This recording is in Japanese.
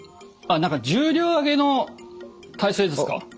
あっ重量挙げの体勢ですか？